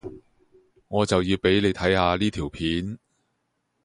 我就要畀你睇呢條片